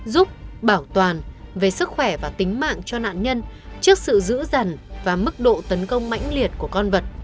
giúp bảo toàn về sức khỏe và tính mạng cho nạn nhân trước sự giữ dần và mức độ tấn công mãnh liệt của con vật